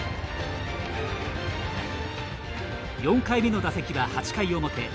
４回目の打席は、８回表。